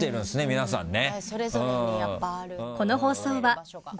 皆さんね。